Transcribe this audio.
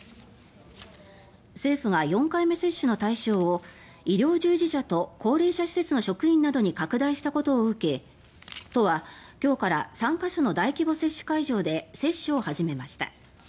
政府が４回目接種の対象を医療従事者と高齢者施設の職員などに拡大したことを受け都は今日から３か所の大規模接種会場で接種を始めました。